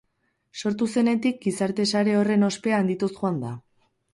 Sortu zenetik, gizarte sare horren ospea handituz joan da.